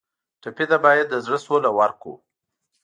ټپي ته باید د زړه سوله ورکړو.